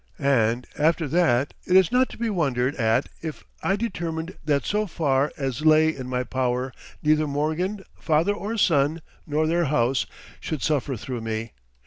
And, after that, it is not to be wondered at if I determined that so far as lay in my power neither Morgan, father or son, nor their house, should suffer through me.